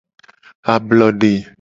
Ablode.